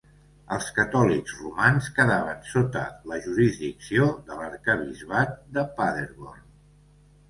Els catòlics romans quedaven sota la jurisdicció de l'arquebisbat de Paderborn.